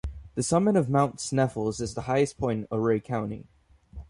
The summit of Mount Sneffels is the highest point in Ouray County.